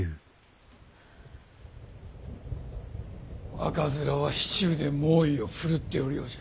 赤面は市中で猛威を振るっておるようじゃ。